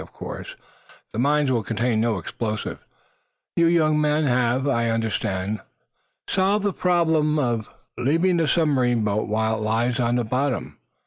Of course the mines will contain no explosives. You young men have, I understand, solved the problem of leaving a submarine boat while it lies on the bottom?